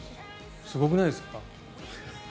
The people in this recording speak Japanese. すごくないですか。